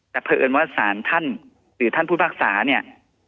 แต่เพราะเอิญว่าสารท่านหรือท่านผู้พิพากษาเนี่ย